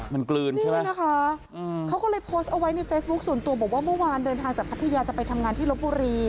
มันกลืนใช่ไหมนะคะเขาก็เลยโพสต์เอาไว้ในเฟซบุ๊คส่วนตัวบอกว่าเมื่อวานเดินทางจากพัทยาจะไปทำงานที่ลบบุรี